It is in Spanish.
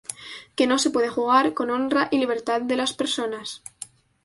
Que no se puede jugar con honra y libertad de las personas.